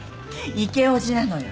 イケおじなのよ。